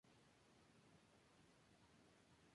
La mayoría de su población es de origen kurdo.